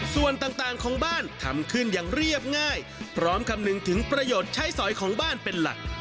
ส่วนต่างของบ้านทำขึ้นอย่างเรียบง่ายพร้อมคำนึงถึงประโยชน์ใช้สอยของบ้านเป็นหลัก